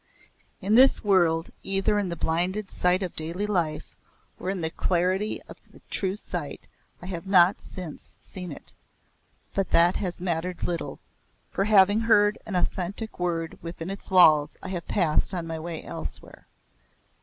In this world, either in the blinded sight of daily life or in the clarity of the true sight I have not since seen it, but that has mattered little, for having heard an authentic word within its walls I have passed on my way elsewhere.